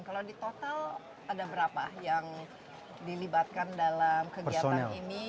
kalau di total ada berapa yang dilibatkan dalam kegiatan ini